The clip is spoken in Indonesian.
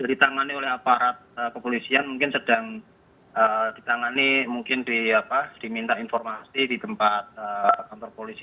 ditangani oleh aparat kepolisian mungkin sedang ditangani mungkin diminta informasi di tempat kantor polisi